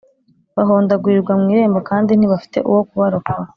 Bahondaguriwra mu irembo kandi ntibafite uwo kubarokora